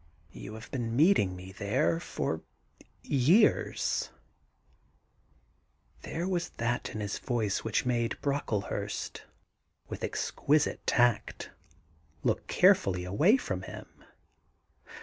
You have been meeting me there for years 1 ' There was that in his voice which made Brockle hurst, with exquisite tact, look carefully away from him.